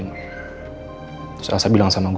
lalu elsa berkata ke saya